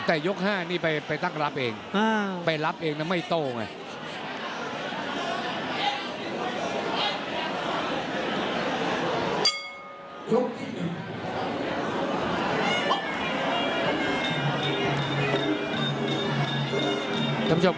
แต่ยก๕นี่ไปตั้งรับเองไปรับเองนะไม่โต้ไง